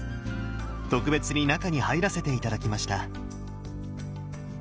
特別に中に入らせて頂きました。